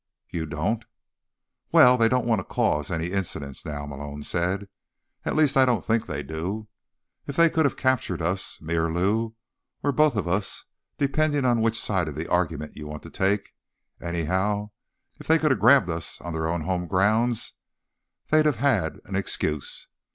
"You don't?" "Well, they don't want to cause any incidents now," Malone said. "At least, I don't think they do. If they could have captured us—me, or Lou, or both of us, depending on which side of the argument you want to take—anyhow, if they could have grabbed us on their own home grounds, they'd have had an excuse.